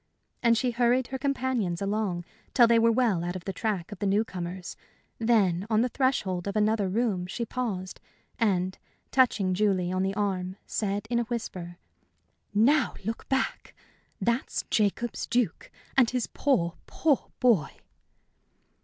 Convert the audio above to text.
And she hurried her companions along till they were well out of the track of the new comers; then on the threshold of another room she paused, and, touching Julie on the arm, said, in a whisper: "Now look back. That's Jacob's Duke, and his poor, poor boy!"